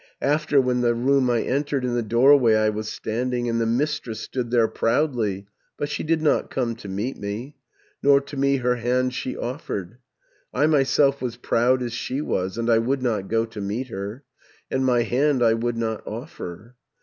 "After, when the room I entered, In the doorway I was standing, And the mistress stood there proudly, But she did not come to meet me, Nor to me her hand she offered. I myself was proud as she was, 780 And I would not go to meet her, And my hand I would not offer.